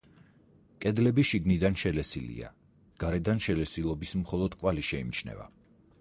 კედლები შიგნიდან შელესილია, გარედან შელესილობის მხოლოდ კვალი შეიმჩნევა.